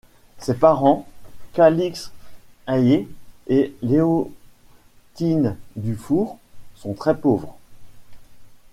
Ses parents, Calixte Hayet et Léontine Dufour, sont très pauvres.